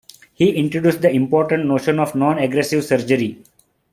He introduced the important notion of non aggressive surgery.